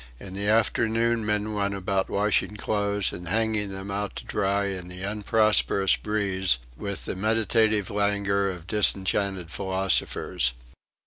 In the afternoon men went about washing clothes and hanging them out to dry in the unprosperous breeze with the meditative languor of disenchanted philosophers.